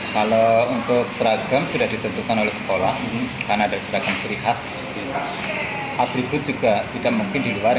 kalau untuk seragam sudah ditentukan oleh sekolah karena ada sebagian ciri khas atribut juga tidak mungkin di luar